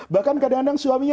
bahkan kadang kadang suaminya